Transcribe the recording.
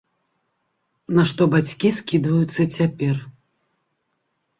На што бацькі скідваюцца цяпер.